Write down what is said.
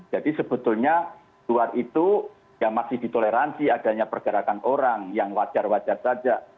jadi sebetulnya luar itu masih ditoleransi adanya pergerakan orang yang wajar wajar saja